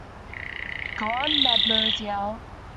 Go on, Mademoiselle.